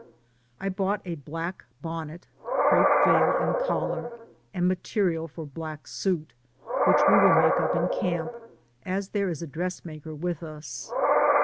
I bought a black bonnet, crepe veil and collar, and material for black suit, which we will make up in camp, as there is a dress maker with us.